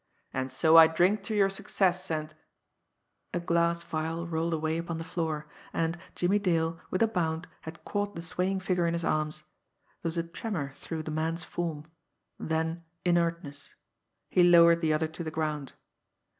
"And so I drink to your success, and " A glass vial rolled away upon the floor and Jimmie Dale, with a bound, had caught the swaying figure in his arms. There was a tremor through the man's form then inertness. He lowered the other to the ground.